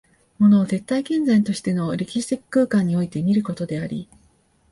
物を絶対現在としての歴史的空間において見ることであり、